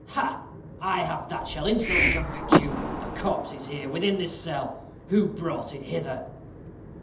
ha, I have that shall instantly convict you. The corpse is here, within this cell. Who brought it hither?"